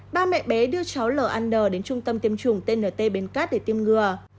ba mẹ bé đưa cháu ln đến trung tâm tiêm chủng tnt bến cát để tiêm ngừa